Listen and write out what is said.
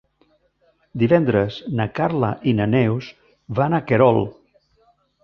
Divendres na Carla i na Neus van a Querol.